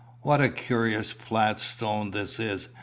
"What a curious flat stone this is!"